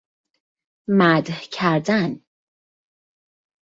مدح کردن